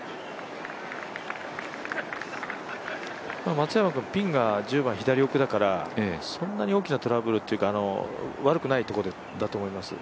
松山君、ピンが左奥だから、そんなに大きなトラブルというか、悪くないところだと思います。